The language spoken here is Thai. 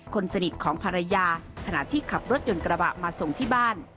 คนสนิทของภรรยาขณะที่ขับรถยนต์กระบะมาส่งที่บ้าน